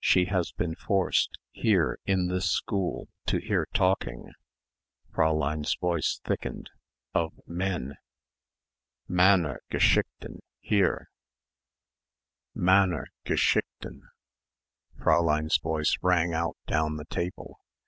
"She has been forced, here, in this school, to hear talking" Fräulein's voice thickened "of men...." "Männer geschichten ... here!" "Männer geschichten." Fräulein's voice rang out down the table.